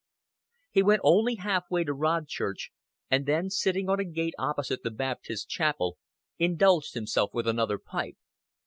He went only half way to Rodchurch, and then sitting on a gate opposite the Baptist chapel indulged himself with another pipe.